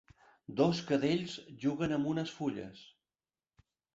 Dos cadells juguen amb unes fulles.